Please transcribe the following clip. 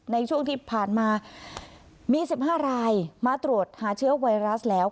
ในช่วงที่ผ่านมามี๑๕รายมาตรวจหาเชื้อไวรัสแล้ว